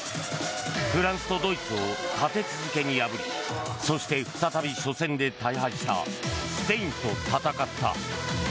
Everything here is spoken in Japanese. フランスとドイツを立て続けに破りそして再び、初戦で大敗したスペインと戦った。